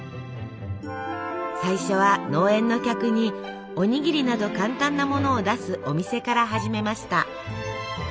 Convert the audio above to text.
最初は農園の客におにぎりなど簡単なものを出すお店から始めました。